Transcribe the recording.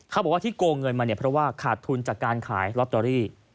เขาบอกว่าที่โกงเงินมาเนี่ยเพราะว่าขาดทุนจากการขายลอตเตอรี่